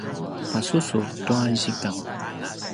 pasusu tua zikang